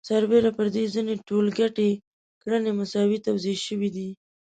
سربېره پر دې ځینې ټولګټې کړنې مساوي توزیع شوي دي